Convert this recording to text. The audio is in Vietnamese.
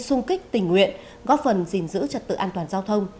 xung kích tình nguyện góp phần gìn giữ trật tự an toàn giao thông